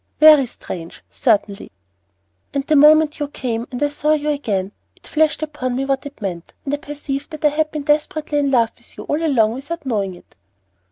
"Very strange, certainly." "And the moment you came and I saw you again, it flashed upon me what it meant; and I perceived that I had been desperately in love with you all along without knowing it."